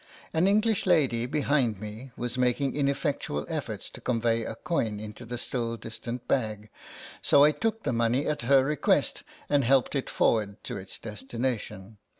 An English lady behind me was making ineffectual efforts to convey a coin into the still distant bag, so I took the money at her request and helped it forward to its destination.